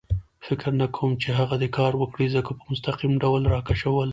فکر نه کوم چې هغه دې کار وکړي، ځکه په مستقیم ډول را کشول.